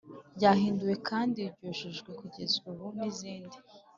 Ryahinduwe kandi ryujujwe kugeza ubu n izindi